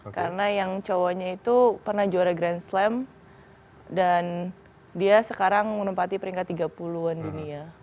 karena yang cowoknya itu pernah juara grand slam dan dia sekarang menempati peringkat tiga puluh an dunia